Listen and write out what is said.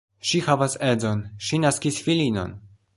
Ŝi havas edzon, ŝi naskis filinon.